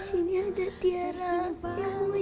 sini ada tiara yang mau nguijungin mama